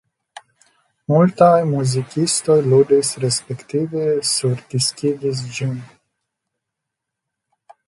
Multaj muzikistoj ludis respektive surdiskigis ĝin.